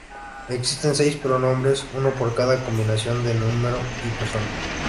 Existen seis pronombres, uno para cada combinación de número y persona.